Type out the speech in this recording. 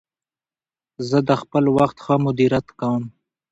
زه د خپل وخت ښه مدیریت کوم.